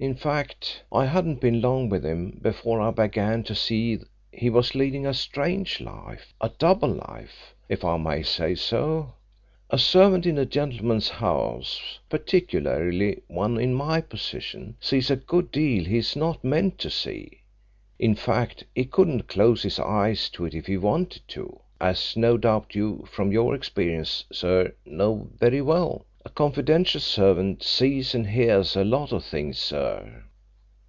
In fact, I hadn't been long with him before I began to see he was leading a strange life a double life, if I may say so. A servant in a gentleman's house particularly one in my position sees a good deal he is not meant to see; in fact, he couldn't close his eyes to it if he wanted to, as no doubt you, from your experience, sir, know very well. A confidential servant sees and hears a lot of things, sir."